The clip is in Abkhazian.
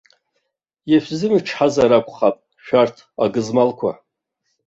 Ишәзымчҳазар акәхап, шәарҭ агызмалқәа.